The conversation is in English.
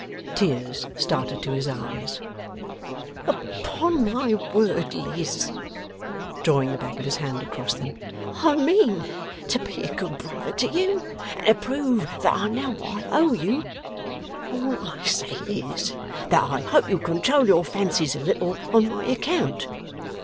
Tears started to his eyes. 'Upon my word, Liz,' drawing the back of his hand across them, 'I mean to be a good brother to you, and to prove that I know what I owe you. All I say is, that I hope you'll control your fancies a little, on my account.